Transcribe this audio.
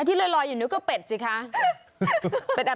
ที่ลอยอยู่นี่ก็เป็ดสิคะ